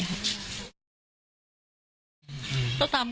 กรุ๊ปแม่ทำมา๒